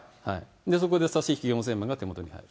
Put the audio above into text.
そこで差し引き４０００万が手元に入る。